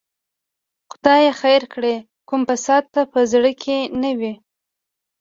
خدای خیر کړي، کوم فساد ته په زړه کې نه وي.